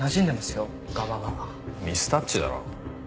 ミスタッチだろ。